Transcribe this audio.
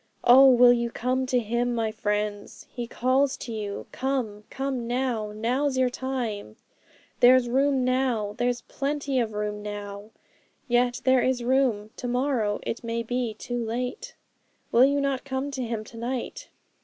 'Oh, will you come to Him, my friends? He calls to you "Come! come now!" Now's your time! There's room now, there's plenty of room now! Yet there is room; to morrow it may be too late! 'Will you not come to Him to night?